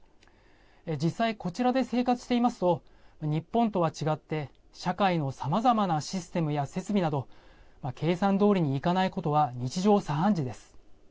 実際、こちらで生活していますと日本とは違って社会のさまざまなシステムや設備など計算どおりにいかないことは日常茶飯事です。